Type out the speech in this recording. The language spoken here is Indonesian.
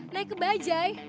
naik ke bajaj